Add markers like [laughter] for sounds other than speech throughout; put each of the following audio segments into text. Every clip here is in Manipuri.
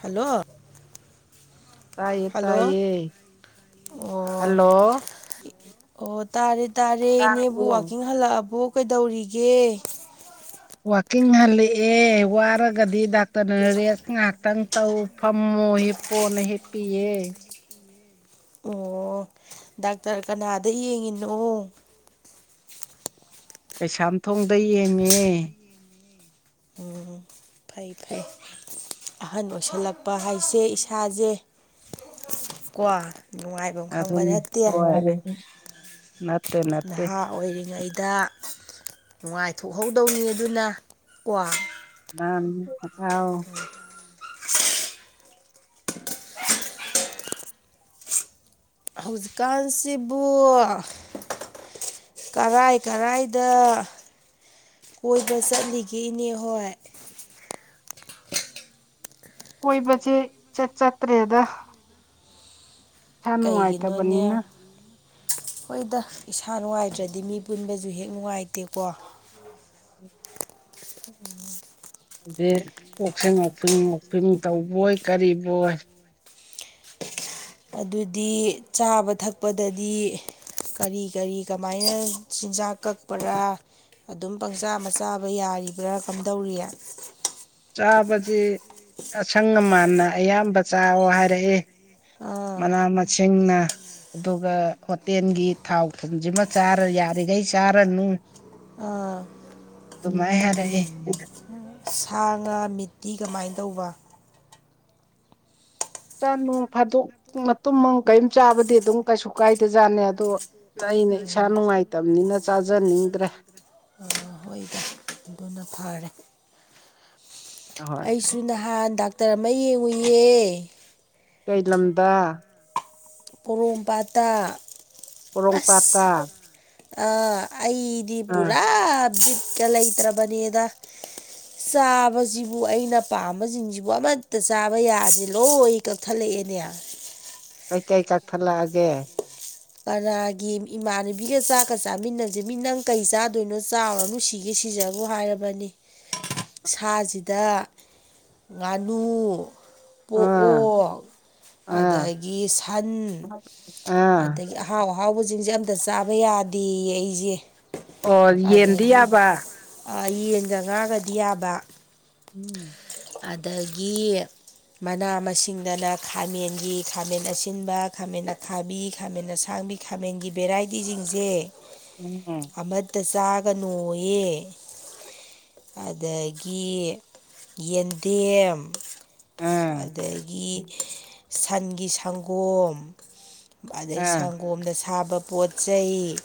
ꯍꯜꯂꯣ ꯇꯥꯏꯌꯦ ꯍꯜꯂꯣ ꯇꯥꯏꯌꯦ ꯑꯣ ꯍꯂꯣ ꯑꯣ ꯇꯥꯔꯦ ꯇꯥꯔꯦ ꯏꯅꯦꯕꯨ ꯋꯥꯋꯀꯤꯡ ꯍꯜꯂꯛꯑꯕꯣ ꯀꯩꯗꯧꯔꯤꯒꯦ ꯋꯥꯋꯀꯤꯡ ꯍꯂꯛꯑꯦ ꯋꯥꯔꯒꯗꯤ ꯗꯥꯛꯇꯔꯅ ꯔꯦꯁ ꯉꯍꯥꯛꯇꯪ ꯇꯧꯐꯝ ꯍꯄꯅ ꯍꯦꯞꯄꯤ ꯑꯣ ꯗꯥꯛꯇꯔ ꯀꯅꯥꯗ ꯌꯦꯡꯉꯤꯅꯣ ꯀꯩꯁꯥꯝꯊꯣꯡꯗ ꯌꯦꯡꯉꯦ ꯎꯝ ꯐꯩ ꯐꯩ ꯑꯍꯟ ꯑꯣꯏꯁꯜꯂꯛꯄ ꯍꯥꯏꯁꯦ ꯏꯁꯥꯁꯦ ꯀꯣ ꯅꯨꯡꯉꯥꯏꯐꯝ ꯈꯪꯕ ꯑꯗꯨꯅꯤ ꯅꯠꯇꯦ ꯍꯣꯏ ꯅꯠꯇꯦ ꯅꯠꯇꯦ ꯅꯍꯥ ꯑꯣꯏꯔꯤꯉꯩꯗ ꯅꯨꯡꯉꯥꯏꯊꯣꯛꯍꯧꯗꯧꯅꯤ ꯑꯗꯨꯅ ꯀꯣ ꯑ ꯑ ꯍꯧꯖꯤꯛꯀꯥꯟꯁꯤꯕꯨ ꯀꯔꯥꯏ ꯀꯔꯥꯏꯗ ꯀꯣꯏꯕ ꯆꯠꯂꯤꯒꯦꯅꯦ ꯍꯣꯏ ꯀꯣꯏꯕꯁꯦꯠ ꯆꯠꯇ꯭ꯔꯦꯗ ꯏꯁꯥ ꯀꯩꯒꯤꯅꯣꯅꯦ ꯅꯨꯡꯉꯥꯏꯇꯕꯅꯤꯅ ꯍꯣꯏꯗ ꯏꯁꯥ ꯅꯨꯡꯉꯥꯏꯇ꯭ꯔꯗꯤ ꯃꯤ ꯄꯨꯟꯕꯁꯨ ꯍꯦꯛ ꯅꯨꯡꯉꯥꯏꯇꯦꯀꯣ ꯑ ꯑꯣꯛꯆꯟ ꯑꯣꯛꯐꯤꯟ ꯑꯣꯛꯐꯤꯟ ꯇꯧꯕꯣꯏ ꯀꯔꯤꯕꯣꯏ ꯑꯗꯨꯗꯤ ꯆꯥꯕ ꯊꯛꯄꯗꯗꯤ ꯀꯔꯤ ꯀꯔꯤ ꯀꯃꯥꯏꯅ ꯆꯤꯟꯖꯥꯛ ꯀꯛꯄꯔꯥ ꯑꯗꯨꯝ ꯄꯪꯆꯥ ꯃꯆꯥꯕ ꯌꯥꯔꯤꯕ꯭ꯔꯥ ꯀꯝ ꯇꯧꯔꯤ ꯆꯥꯕꯁꯤ ꯑꯁꯪ ꯑꯃꯥꯟꯅ ꯑꯌꯥꯝꯕ ꯆꯥꯑꯣ ꯍꯥꯏꯔꯛꯑꯦ ꯑꯥ ꯃꯅꯥ ꯃꯁꯤꯡꯅ ꯑꯗꯨꯒ ꯍꯣꯇꯦꯜꯒꯤ ꯊꯥꯎ ꯊꯟꯁꯤꯃ ꯆꯥꯔ ꯌꯥꯔꯤꯈꯩ ꯆꯥꯔꯅꯨ ꯑꯥ ꯃꯥꯏ ꯍꯥꯏꯔ ꯁꯥ ꯉꯥ ꯃꯤꯠꯇꯤ ꯀꯃꯥꯏꯅ ꯇꯧꯕ ꯆꯥ ꯅꯨꯡ ꯐꯥꯗꯣꯛ ꯃꯇꯨꯡꯨꯝ ꯀꯔꯤꯝ ꯆꯥꯕꯗꯤ ꯑꯗꯨꯝ ꯀꯩꯁꯨ ꯀꯥꯏꯗꯖꯥꯠꯅꯤ ꯑꯗꯣ ꯑꯩꯅ ꯏꯁꯥ ꯅꯨꯡꯉꯥꯏꯇꯕꯅꯤꯅ ꯆꯥꯖꯅꯤꯡꯗ꯭ꯔꯦ ꯍꯣꯏꯗ ꯑꯗꯨꯅ ꯐꯔꯦ ꯑꯍꯣꯏ ꯑꯩꯁꯨ ꯅꯍꯥꯟ ꯗꯥꯛꯇꯔ ꯑꯃ ꯌꯦꯡꯉꯨꯏꯌꯦ ꯀꯩ ꯂꯝꯗ ꯄꯣꯔꯣꯝꯄꯥꯇꯥ ꯑꯣꯡ ꯄꯠꯇꯇꯥ ꯑ ꯑꯩꯗꯤ ꯄꯨꯔꯥ ꯖꯤꯠꯀ ꯂꯩꯇ꯭ꯔꯕꯅꯦꯗ ꯆꯥꯕꯁꯤꯕꯨ ꯑꯩꯅ ꯄꯥꯝꯕꯁꯤꯡꯁꯤꯕꯨ ꯑꯃꯠꯇ ꯆꯥꯕ ꯌꯥꯗꯦ ꯂꯣꯏ ꯀꯛꯊꯠꯂꯛꯏ ꯑꯦꯅꯦꯌꯥ ꯀꯩꯀꯩ ꯀꯛꯊꯠꯂꯛꯑꯒꯦ ꯄꯔꯥꯒꯤ ꯏꯃꯥꯟꯅꯕꯤꯒ ꯆꯥꯛꯀ ꯆꯥꯃꯤꯟꯅꯁꯦ ꯃꯤ ꯅꯪ ꯀꯩ ꯆꯥꯗꯣꯏꯅꯣ ꯆꯥꯎꯔ ꯅꯨꯡꯁꯤꯒꯦꯁꯤ ꯁꯤꯁꯕꯨ ꯍꯥꯏꯔꯕꯅꯤ ꯁꯥꯁꯤꯗ ꯉꯥꯅꯨ ꯄ ꯑꯥ ꯑꯣ ꯑꯥ ꯑꯗꯒꯤ ꯁꯟ ꯑꯥ ꯑꯗꯒꯤ ꯑꯍꯥꯎ ꯑꯍꯥꯎꯕꯁꯤꯡꯁꯦ ꯑꯝꯇ ꯆꯥꯕ ꯌꯥꯗꯦ ꯑꯩꯁꯦ ꯑꯣ ꯌꯦꯟꯗꯤ ꯑꯗꯒꯤ ꯌꯥꯕ ꯌꯦꯟꯒ ꯉꯥꯒꯗꯤ ꯌꯥꯕ ꯎꯝ ꯑꯗꯒꯤ ꯃꯅꯥ ꯃꯁꯤꯡꯗꯅ ꯈꯥꯃꯦꯟꯒꯤ ꯈꯥꯃꯦꯟ ꯑꯁꯤꯟꯕ ꯈꯥꯃꯦꯟ ꯈꯥꯕꯤ ꯈꯥꯃꯦꯟ ꯁꯥꯕꯤ ꯂꯝꯕꯤ ꯈꯥꯃꯦꯟꯒꯤ ꯚꯦꯔꯥꯏꯇꯤꯁꯤꯡꯁꯦ ꯎꯝ ꯇ ꯆꯥꯒ ꯅꯣꯌꯦꯦ ꯑꯗꯒꯤ ꯌꯦꯟꯗꯦꯝ ꯑꯥ ꯑꯗꯒꯤ ꯁꯟꯒꯤ ꯁꯪꯒꯣꯝ ꯑꯗꯩ ꯑꯥ ꯁꯪꯒꯣꯝꯗ ꯁꯥꯕ ꯄꯣꯠ ꯆꯩ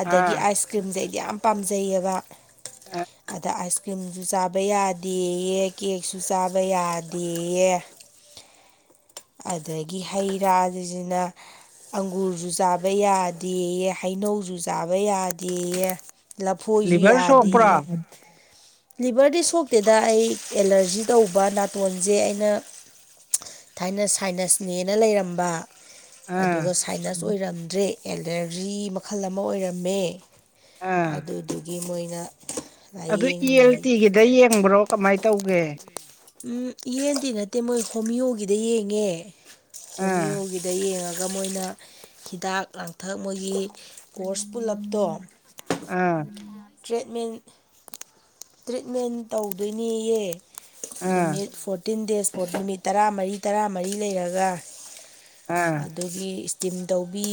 ꯑꯗꯒꯤ ꯑꯥ ꯑꯥꯏꯁ ꯀ꯭ꯔꯤꯝꯁꯦ ꯑꯩꯗꯤ ꯌꯥꯝ ꯄꯥꯝꯖꯩꯑꯕ ꯑꯗ ꯑꯥꯏꯁ ꯀ꯭ꯔꯤꯝꯁꯨ ꯆꯥꯕ ꯌꯥꯗꯦ ꯀꯦꯛꯁꯨ ꯆꯥꯕ ꯌꯥꯗꯦꯌꯦ ꯑꯗꯨꯗꯒꯤ ꯍꯩ ꯔꯥꯁꯤꯁꯤꯅ ꯑꯪꯒꯨꯔꯁꯨ ꯆꯥꯕ ꯌꯥꯗꯦꯌꯦ ꯍꯩꯅꯧꯁꯨ ꯆꯥꯕ ꯌꯥꯗꯦꯌꯦ ꯂꯐꯣꯏꯁꯨ ꯂꯤꯚꯔ ꯌꯥꯗꯦ ꯁꯣꯛꯄ꯭ꯔꯣ ꯂꯤꯚꯔꯗꯤ ꯁꯣꯛꯇꯦꯗ ꯑꯩ ꯑꯦꯂꯔꯖꯤ ꯇꯧꯕ ꯅꯥꯇꯣꯟꯁꯦ ꯑꯩꯅ ꯊꯥꯏꯅ ꯁꯥꯏꯅꯁꯅꯦꯅ ꯂꯩꯔꯝꯕ ꯑꯗꯨꯒ ꯑꯥ ꯁꯥꯏꯅꯁ ꯑꯣꯏꯔꯝꯗ꯭ꯔꯦ ꯑꯦꯂꯔꯖꯤ ꯃꯈꯜ ꯑꯃ ꯑꯣꯏꯔꯝꯃꯦ ꯑꯥ ꯑꯗꯨꯗꯨꯒꯤ ꯃꯣꯏꯅ ꯑꯗꯨ ꯏ ꯑꯦꯜ ꯂꯥꯏꯌꯦꯡꯉꯤ ꯇꯤꯒꯤꯗ ꯌꯦꯡꯕ꯭ꯔꯣ ꯀꯃꯥꯏ ꯇꯧꯒꯦ ꯎꯝ ꯌꯦꯟꯗꯤ ꯅꯠꯇꯦ ꯃꯣꯏ ꯍꯣꯃꯤꯌꯣꯒꯤꯗ ꯌꯦꯡꯉꯦ ꯑꯥ ꯍꯣꯃꯤꯌꯣꯒꯤꯗ ꯌꯦꯡꯉꯒ ꯑꯗꯨꯒ ꯃꯣꯏꯅ ꯍꯤꯗꯥꯛ ꯂꯥꯡꯊꯛ ꯃꯣꯏꯒꯤ ꯀꯣꯔꯁ ꯄꯨꯜꯂꯞꯇꯣ ꯑꯥ ꯇꯔꯤꯠꯃꯦꯟ ꯇ꯭ꯔꯤꯠꯃꯦꯟ ꯇꯧꯗꯣꯏꯅꯦꯌꯦ ꯑꯥ ꯅꯨꯃꯤꯠ ꯐꯣꯔꯇꯤꯟ ꯗꯦꯖ ꯐꯥꯎ ꯅꯨꯃꯤꯠ ꯇꯔꯥꯃꯔꯤ ꯇꯔꯥꯃꯔꯤ ꯂꯩꯔꯒ ꯑꯥ ꯑꯗꯨꯒꯤ ꯇꯤꯝ ꯇꯧꯕꯤ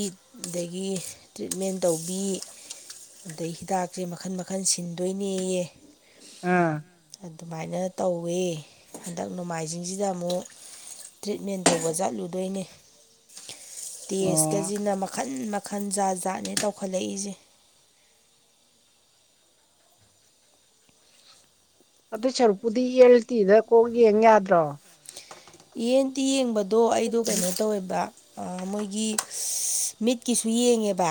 ꯑꯗꯒꯤ ꯇ꯭ꯔꯤꯠꯃꯦꯟ ꯇꯧꯕꯤ ꯑꯗꯩ ꯍꯤꯗꯥꯛꯁꯦ ꯃꯈꯟ ꯃꯈꯜ ꯁꯤꯟꯗꯣꯏꯅꯦꯌꯦ ꯑꯥ ꯑꯗꯨꯃꯥꯏꯅ ꯇꯧꯋꯤ ꯍꯟꯗꯛ ꯅꯣꯡꯃꯥꯏꯖꯤꯡꯁꯤꯗ ꯑꯃꯨꯛ ꯇ꯭ꯔꯤꯠꯃꯦꯟ ꯇꯧꯕ ꯆꯠꯂꯨꯗꯣꯏꯅꯦ ꯑꯣ ꯇꯦꯁꯀꯁꯤꯅ ꯃꯈꯥ ꯃꯈꯟ ꯃꯈꯟ ꯖꯥꯠ ꯖꯥꯠꯅꯦ ꯇꯧꯈꯠꯂꯛꯏꯁꯦ ꯑꯗꯨ ꯁꯔꯨꯛꯄꯨꯗꯤ ꯌꯦꯜꯇꯤꯗ ꯀꯣꯛ ꯌꯦꯡ ꯌꯥꯗ꯭ꯔꯣ ꯌꯦꯟꯗꯤꯤ ꯌꯦꯡꯕꯗꯣ ꯑꯩꯗꯣ ꯀꯩꯅꯣ ꯇꯧꯋꯦꯕ ꯃꯣꯏꯒꯤ ꯃꯤꯠꯀꯤꯁꯨ ꯌꯦꯡꯉꯦꯕ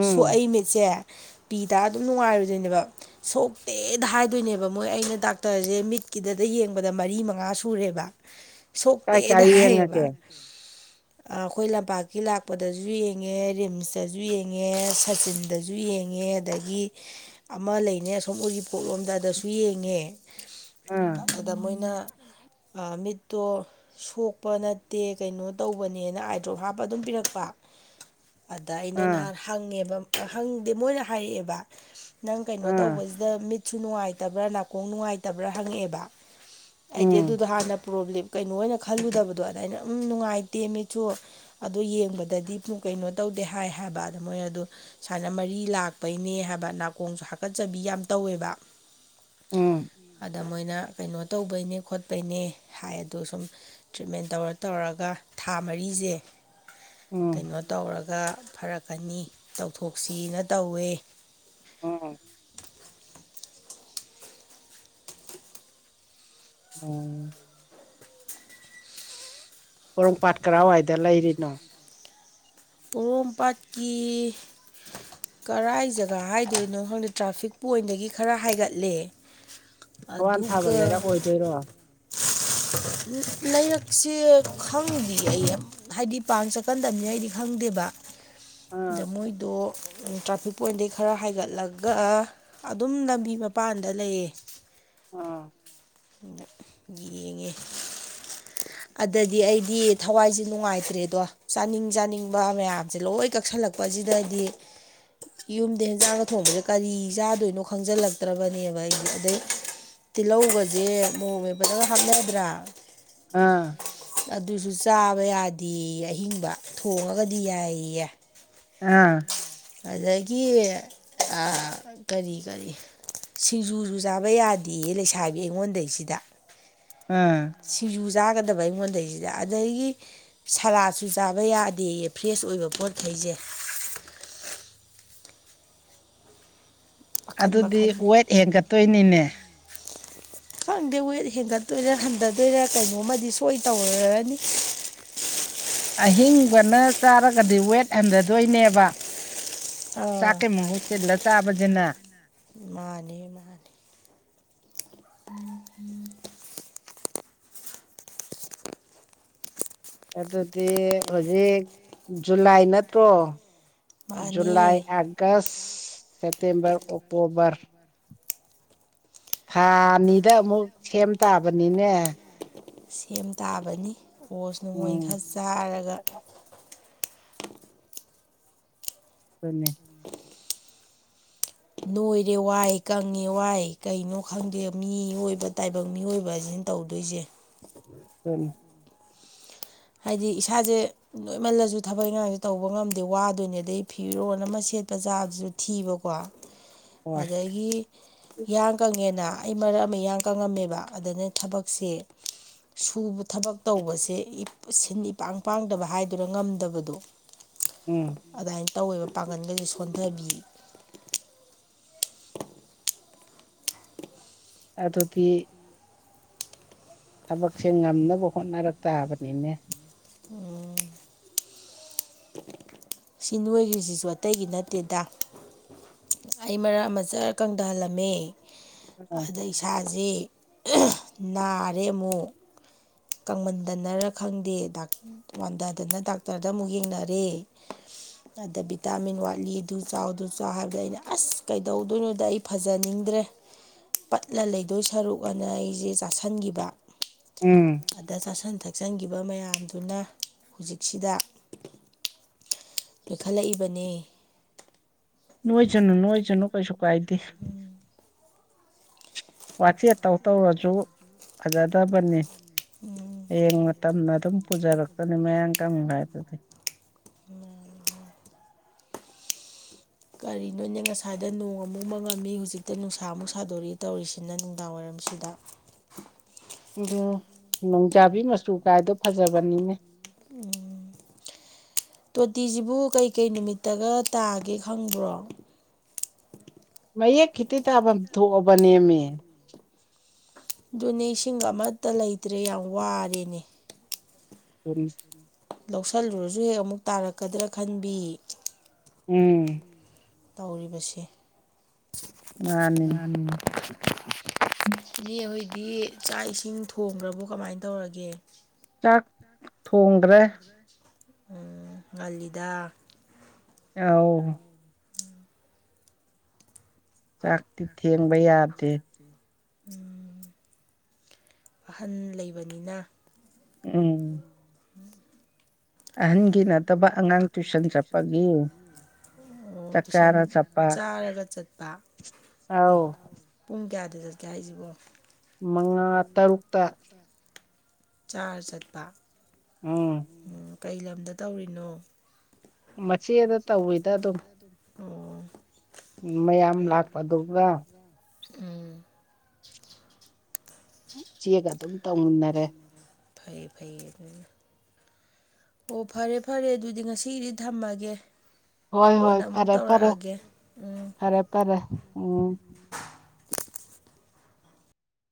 ꯎꯝ ꯁꯣꯛꯏ ꯃꯤꯠꯁꯦ ꯄꯤ ꯇ ꯑꯗꯨꯝ ꯅꯨꯡꯉꯥꯏꯔꯨꯗꯣꯏꯅꯦꯕ ꯁꯣꯛꯇꯦꯗ ꯍꯥꯏꯗꯣꯏꯅꯦꯕ ꯃꯣꯏ ꯑꯩꯅ ꯗꯥꯛꯇꯔꯁꯦ ꯃꯤꯠ ꯀꯤꯗꯗ ꯌꯦꯡꯕꯗ ꯃꯔꯤ ꯃꯉꯥ ꯁꯨꯔꯦꯕ ꯀꯥꯏ ꯁꯣꯛꯇꯦꯗ ꯀꯥꯏ ꯍꯥꯏꯌꯦꯕ ꯌꯦꯡꯉꯒꯦ ꯑꯩꯈꯣꯏ ꯂꯝꯄꯥꯛꯀꯤ ꯂꯥꯛꯄꯗꯁꯨ ꯌꯦꯡꯉꯦ ꯔꯤꯝꯁꯇꯁꯨ ꯌꯦꯡꯉꯦ ꯁꯆꯤꯟꯗꯁꯨ ꯌꯦꯡꯉꯦ ꯉ ꯑ ꯑꯃ ꯂꯩ ꯁꯨꯝ ꯑꯣꯏꯒꯤ ꯄꯣꯠꯂꯣꯝꯗꯗꯁꯨ ꯌꯦꯡꯉꯦ ꯑꯥ ꯑꯗꯨꯗ ꯃꯣꯏꯅ ꯃꯤꯠꯇꯣ ꯁꯣꯛꯄ ꯅꯠꯇꯦ ꯀꯩꯅꯣ ꯇꯧꯕꯅꯦꯅ ꯑꯥꯏꯗ꯭ꯔꯣꯞ ꯍꯥꯞꯄ ꯑꯗꯨꯝ ꯄꯤꯔꯛꯄ ꯑꯗ ꯑꯩꯅ ꯑꯥ ꯅꯍꯥꯟ ꯍꯪꯉꯦꯕ ꯍꯪꯗꯦ ꯃꯣꯏꯅ ꯍꯥꯏꯔꯛꯑꯦꯕ ꯅꯪ ꯀꯩꯅꯣ ꯑꯥ ꯇꯧꯕꯁꯤꯗ ꯃꯤꯠꯁꯨ ꯅꯨꯡꯉꯥꯏꯇꯕ꯭ꯔꯥ ꯅꯥꯀꯣꯡ ꯅꯨꯡꯉꯥꯏꯇꯕ꯭ꯔꯥ ꯍꯪꯉꯛꯑꯦꯕ ꯑꯩꯗꯤꯦ ꯑꯗꯨ ꯎꯝ ꯄ꯭ꯔꯣꯕ꯭ꯂꯤꯂꯦꯝ ꯀꯩꯅꯣ ꯑꯣꯏꯅ ꯈꯜꯂꯨꯗꯕꯗꯣ ꯑꯗꯨꯗꯃꯥꯏꯩꯅ ꯑꯗꯨꯝ ꯅꯨꯡꯉꯥꯏꯇꯦ ꯃꯤꯆꯣ ꯑꯗꯣ ꯌꯦꯡꯕꯗꯗꯤ ꯀꯩꯅꯣ ꯇꯧꯗꯦ ꯍꯥꯏ ꯍꯥꯏꯕ ꯑ ꯃꯣꯏ ꯑꯗꯨ ꯁꯨꯃꯥꯏꯅ ꯃꯔꯤ ꯂꯥꯛꯄꯩꯅꯦ ꯍꯥꯏꯕ ꯅꯥꯀꯣꯡꯁꯨ ꯍꯥꯀꯠꯆꯕ ꯌꯥꯝ ꯇꯧꯋꯦꯕ ꯎꯝ ꯑꯗ ꯃꯣꯏꯅ ꯀꯩꯅꯣ ꯇꯧꯕꯅꯦ ꯈꯄ ꯄꯩꯅꯦ ꯍꯥꯏ ꯑꯗꯣ ꯁꯨꯝ ꯇ꯭ꯔꯤꯠꯃꯦꯟ ꯇꯧꯔ ꯇꯧꯔꯒ ꯊꯥ ꯃꯔꯤꯁꯦ ꯎꯝ ꯀꯩꯅꯣ ꯇꯧꯔꯒ ꯒ ꯐꯔꯛꯀꯅꯤ ꯇꯧꯊꯣꯛꯁꯤꯅ ꯇꯧꯋꯦ ꯎꯝ [unintelligible] ꯑꯣ ꯄꯣꯔꯣꯝꯄꯥꯠ ꯀꯗꯥꯋꯥꯏꯗ ꯂꯩꯔꯤꯅꯣ ꯄꯣꯔꯣꯝꯄꯥꯥꯠꯀꯤ ꯀꯔꯥꯏ ꯖꯒꯥ ꯍꯥꯏꯗꯣꯏꯅꯣ ꯈꯪꯗꯦ ꯇ꯭ꯔꯥꯐꯤꯛ ꯄꯣꯏꯟꯗꯒꯤ ꯈꯔ ꯍꯥꯏꯒꯠꯂꯦ ꯊꯋꯥꯟ ꯊꯥꯕ ꯑꯗꯨꯒ ꯂꯩꯔꯛ ꯑꯣꯏꯗꯣꯏꯔꯣ ꯑꯥ ꯂꯩꯥꯏꯔꯛꯁꯦ ꯈꯪꯗꯤ ꯑꯩ ꯍꯥꯏꯗꯤ ꯄꯥꯡ ꯆꯠꯀꯟꯗꯕꯅꯤ ꯑꯩꯗꯤ ꯈꯪꯦ ꯈꯪꯗꯦꯕ ꯑꯗ ꯃꯣꯏꯗꯣ ꯇ꯭ꯔꯥꯐꯤꯛ ꯄꯣꯏꯟꯗꯒꯤꯩ ꯈꯔ ꯍꯥꯏꯒꯠꯂꯒ ꯑꯗꯨꯝ ꯂꯝꯕꯤ ꯃꯄꯥꯟꯗ ꯂꯩꯌꯦ ꯑꯥ ꯌꯦꯡꯉꯦ ꯑꯗꯗꯤ ꯑꯩꯗꯤ ꯊꯋꯥꯏꯁꯦ ꯅꯨꯡꯉꯥꯏꯇ꯭ꯔꯦꯗꯣ ꯆꯥꯅꯤꯡ ꯆꯥꯅꯤꯡꯕ ꯃꯌꯥꯝꯁꯦ ꯂꯣꯏ ꯀꯛꯁꯜꯂꯛꯄꯦ ꯀꯛꯄꯁꯤꯗꯗꯤ ꯌꯨꯝꯗ ꯍꯦꯟꯖꯥꯡꯒ ꯊꯣꯡꯕꯁꯦ ꯀꯔꯤ ꯆꯥꯗꯣꯏꯅꯣ ꯈꯪꯖꯤꯜꯂꯛꯇ꯭ꯔꯕꯅꯦꯕ ꯑꯩ ꯑꯗꯩ ꯇꯤꯜꯍꯧꯧꯕꯁꯦ ꯃꯣꯡꯦ ꯐꯗꯒ ꯍꯥꯞꯅꯗ꯭ꯔꯥ ꯑꯥ ꯑꯗꯨꯁꯨ ꯆꯥꯕ ꯌꯥꯗꯦ ꯑꯍꯤꯡꯕ ꯊꯣꯡꯉꯒꯗꯤ ꯌꯥꯏꯌꯦ ꯑꯥ ꯑꯗꯒꯤ ꯀꯔꯤ ꯀꯔꯤ ꯁꯤꯡꯖꯨꯁꯨ ꯆꯥꯕ ꯌꯥꯗꯦꯌꯦ ꯂꯩꯁꯥꯕꯤ ꯑꯩꯉꯣꯟꯗꯩꯁꯤꯗ ꯎꯝ ꯁꯤꯡꯖꯨ ꯆꯥꯒꯗꯕ ꯑꯩꯉꯣꯟꯗꯩꯁꯤꯗ ꯑꯗꯒꯤ ꯁꯔꯥꯁꯨ ꯆꯥꯕ ꯌꯥꯗꯦ ꯐ꯭ꯔꯦꯁ ꯑꯣꯏꯕ ꯄꯣꯠꯩ ꯄꯖꯦ ꯃꯈꯟ ꯑꯗꯨꯗꯤ ꯃꯈꯟ ꯋꯦꯠ ꯍꯦꯟꯒꯠꯇꯣꯏꯅꯤꯅꯦ [unintelligible] ꯈꯪꯗꯦ ꯋꯦꯠ ꯍꯦꯟꯒꯠꯇꯣꯏꯔ ꯍꯟꯊꯗꯣꯏꯔꯥ ꯀꯩꯅꯣꯝꯃꯗꯤ ꯁꯣꯏ ꯇꯧꯔꯔꯅꯤ [unintelligible] ꯑꯍꯤꯡꯕꯅ ꯆꯥꯔꯒꯗꯤ ꯋꯦꯠ ꯍꯟꯊꯗꯣꯏꯅꯦꯕ ꯑꯥ ꯆꯥꯛꯀꯦꯃ ꯍꯧꯁꯦꯂ ꯆꯕꯖꯅ ꯃꯥꯅꯤ ꯃꯥꯅꯤ ꯎꯝ ꯎ ꯑꯗꯨꯗꯤ ꯍꯧꯖꯤꯛ ꯖꯨꯂꯥꯏ ꯅꯠꯇ꯭ꯔꯣ ꯃꯥꯅꯦ ꯖꯂꯥꯏ ꯑꯒꯁ ꯁꯦꯞꯇꯦꯝꯝꯕꯔ ꯑꯣꯛꯇꯣꯕꯔ ꯊꯥꯅꯤꯗ ꯑꯃꯨꯛ ꯁꯦꯝ ꯇꯥꯕꯅꯤꯅꯦ ꯁꯦꯝ ꯇꯥꯕꯅꯤ ꯑꯣꯁ ꯅꯣꯡꯃꯣꯏ ꯎꯝ ꯈꯔ ꯆꯥꯔꯒ ꯑꯗꯨꯟꯅꯃꯦ ꯅꯣꯏꯔꯦ ꯋꯥꯏ ꯀꯪꯉꯦ ꯋꯥꯏ ꯀꯩꯅꯣ ꯈꯪꯗꯦ ꯃꯤꯏꯕ ꯇꯥꯏꯕꯪ ꯃꯤꯑꯣꯏꯕꯕꯁꯤꯅ ꯇꯧꯗꯣꯏꯁꯦ ꯍꯅꯤ ꯍꯥꯏꯗꯤ ꯏꯁꯥꯁꯦ ꯂꯣꯏꯃꯜꯂꯁꯨ ꯊꯕꯛ ꯏꯪꯈꯥꯡꯁꯦ ꯇꯧꯕ ꯉꯝꯗꯦ ꯋꯥꯗꯣꯏꯅꯦ ꯑꯗꯩ ꯐꯤꯔꯣꯅ ꯃꯁꯤ ꯑꯆꯦꯠꯄ ꯆꯥꯗꯨꯁꯨ ꯊꯤꯕꯀꯣ ꯍꯣꯏ ꯑꯗꯒꯤ ꯌꯥꯌꯥꯡ ꯀꯪꯉꯦꯅ ꯑꯩ ꯃꯔꯛ ꯑꯃ ꯏꯌꯥꯡ ꯀꯪꯉꯝꯃꯦꯕ ꯑꯗꯨꯅ ꯊꯕꯛꯁꯦ ꯁꯨꯕ ꯊꯕꯛ ꯇꯧꯕꯁꯦ ꯁꯤꯟ ꯏ ꯄꯥꯡ ꯄꯥꯡꯗꯕ ꯍꯥꯏꯗꯨꯅ ꯉꯝꯗꯕꯗꯣ ꯎꯝ ꯑꯗꯨꯃꯥꯏ ꯇꯧꯋꯦꯕ ꯄꯥꯡꯒꯜꯗꯁꯨ ꯁꯣꯟꯊꯕꯤ ꯑꯇꯣꯇ ꯊꯕꯛꯁꯦ ꯉꯝꯅꯕ ꯍꯣꯠꯅꯔꯛ ꯇꯥꯕꯅꯤꯅꯦ ꯑꯣ ꯁꯤ ꯅꯣꯏꯈ꯭ꯔꯤꯁꯤꯁꯨ ꯑꯇꯩꯒꯤ ꯅꯠꯇꯦꯗ ꯑꯩ ꯃꯔꯛ ꯃꯆꯥ ꯀꯪꯊꯍꯜꯂꯝꯃꯦ ꯑꯗ ꯏꯁꯥꯥꯁ ꯅꯥꯔꯦ ꯑꯃꯨꯛ ꯀꯪꯃꯟꯗꯅꯔ ꯈꯪꯗꯦ ꯋꯥꯟꯊꯗꯅ ꯗꯥꯛꯇꯔꯗ ꯑꯃꯨꯛ ꯌꯦꯡꯅꯔꯦ ꯑꯗ ꯚꯤꯇꯥꯃꯤꯟ ꯋꯥꯠꯂꯤ ꯑꯗꯨ ꯆꯥꯎꯗꯨ ꯆꯥꯎ ꯍꯥꯏꯕꯗ ꯑꯩꯅ ꯑꯁ ꯀꯩꯗꯧꯗꯣꯏꯅꯣꯗ ꯑꯩ ꯐꯖꯅꯤꯡꯗꯦ ꯠꯇ꯭ꯔꯦ ꯄꯠꯂ ꯂꯩꯗꯣꯏ ꯁꯔꯨꯛ ꯑꯅ ꯑꯩꯁꯦ ꯆꯥꯁꯟꯈꯤꯕ ꯎꯝ ꯑꯗ ꯆꯥꯁꯤꯟ ꯊꯛꯆꯟꯈꯤꯕ ꯃꯌꯥꯝꯗꯨꯅ ꯍꯧꯖꯤꯛꯁꯤꯗ ꯂꯣꯏꯈꯠꯂꯛꯏꯕꯅꯤ ꯅꯅꯨꯡꯣꯏ ꯆꯅ ꯅꯅꯨꯡꯣꯏ ꯆꯅꯨ ꯀꯩꯁꯨ ꯀꯥꯏꯗꯤꯦ ꯋꯥꯆꯦ ꯇꯧ ꯇꯧꯔꯁꯨ ꯐꯖꯗꯕꯅꯤ ꯍꯌꯦꯡ ꯃꯇꯝꯅ ꯑꯗꯨꯝ ꯄꯨꯖꯔꯛꯛꯇꯅꯤ ꯃꯌꯥ ꯀꯪꯨ ꯍꯥꯏꯗꯨꯗꯤ ꯃ ꯀꯔꯤꯅꯣꯅꯦ ꯉꯁꯥꯏꯗ ꯅꯣꯡ ꯑꯃꯨꯛ ꯃꯉꯝꯃꯤ ꯍꯧꯖꯤꯛꯇ ꯅꯨꯡꯁꯥ ꯑꯃꯨꯛ ꯁꯥꯗꯣꯔꯔꯤꯏ ꯇꯧꯔꯤꯁꯤꯅ ꯅꯨꯡꯗꯥꯡ ꯋꯥꯏꯔꯝ ꯃꯁꯤꯗ ꯎꯝ ꯅꯣꯡꯖꯥꯕꯤ ꯃꯆꯨ ꯀꯥꯏꯗꯣ ꯐꯖꯕꯅꯤꯅꯦ ꯎꯝ ꯇꯣꯇꯤꯁꯤꯕꯨ ꯀꯩꯀꯩ ꯅꯨꯃꯤꯠꯇꯒ ꯇꯥꯒꯦ ꯈꯪꯕ꯭ꯔꯣ ꯃꯌꯦꯛ ꯈꯤꯇꯤ ꯇꯥꯐꯝ ꯊꯣꯛꯑꯕꯅꯦꯃꯦ ꯑꯗꯨꯅꯦ ꯏꯁꯤꯡꯒ ꯑꯃꯠꯇ ꯂꯩꯇ꯭ꯔꯦ ꯌꯥꯝ ꯋꯥꯔꯦꯅꯦ ꯎ ꯂꯧꯁꯤꯜꯂꯨꯔꯁꯨ ꯍꯦꯛ ꯑꯃꯨꯛ ꯇꯥꯔꯛꯀꯗ꯭ꯔꯥ ꯈꯟꯕꯤ ꯎꯝ ꯇꯧꯔꯤꯕꯁꯦ ꯃꯥꯅꯤ ꯏ ꯍꯧꯣꯏꯗꯤ ꯆꯥꯛ ꯏꯁꯤꯡ ꯊꯣꯡꯈ꯭ꯔꯕꯣ ꯀꯃꯥꯏꯅ ꯇꯧꯔꯒꯦ ꯇꯥꯛ ꯎ ꯑꯂꯤꯗꯥ ꯑ ꯆꯥꯛꯇꯤ ꯊꯦꯡꯕ ꯌꯥꯗꯦ ꯑꯍꯟ ꯂꯩꯕꯅꯤꯅ ꯎꯝ ꯎꯝ ꯑꯍꯒꯤ ꯅ ꯑꯣ ꯇꯨꯏꯁꯟ ꯆꯥꯛꯆꯥꯔ ꯆꯠꯄ ꯆꯥꯔꯒ ꯆꯠꯄ ꯑ ꯑꯥꯎ ꯑꯗꯨꯗꯤ ꯍꯥꯏꯁꯤꯕꯣ ꯃꯉꯥ ꯇꯔꯨꯛꯇ ꯆꯥꯔ ꯆꯠꯄ ꯎꯝ ꯎꯝ ꯀꯩ ꯂꯝꯗ ꯇꯧꯔꯤꯅꯣ ꯃꯆꯦꯗ ꯇꯧꯋꯤꯗ ꯑꯗꯨꯝ ꯑꯣ ꯃꯌꯥꯝ ꯐꯩ ꯂꯥꯛꯄ ꯐꯩ ꯑꯗꯨꯒ ꯎꯝ ꯆꯦꯒ ꯑꯗꯨꯝ ꯇꯧꯃꯤꯨꯟꯅꯔꯦ ꯐꯩ ꯐꯩ ꯑꯗꯨꯅ ꯑꯣ ꯐꯔꯦ ꯐꯔꯦ ꯑꯗꯨꯗꯤ ꯉꯁꯤꯒꯤꯗꯤ ꯊꯝꯃꯒꯦ ꯍꯣꯏ ꯍꯣꯏ ꯀꯣꯟꯅ ꯑꯃꯨꯛ ꯐꯔꯦ ꯐꯔꯦ ꯇꯧꯔꯛꯑꯒꯦ ꯎꯝ ꯐꯔꯦ ꯐꯔꯦ ꯎꯝ